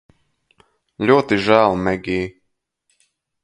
Ļoti žēl, Megij